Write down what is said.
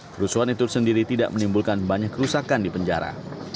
kerusuhan itu sendiri tidak menimbulkan banyak kerusakan di penjara